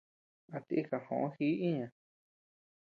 A tika joʼo ji iña.